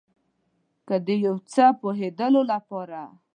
که د یو څه پوهیدلو لپاره